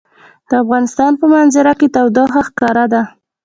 د افغانستان په منظره کې تودوخه ښکاره ده.